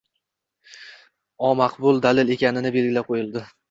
omaqbul dalil ekani belgilab qo‘yildi.